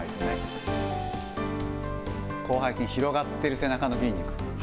広背筋、広がってる背中の筋肉。